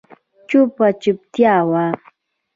چوپه چوپتیا وه.